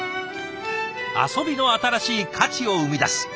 遊びの新しい価値を生み出す。